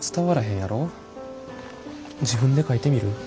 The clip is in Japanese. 自分で書いてみる？